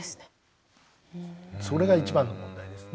それが一番の問題ですね。